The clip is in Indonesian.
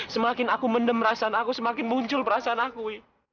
semakin aku mendem perasaan aku semakin muncul perasaan aku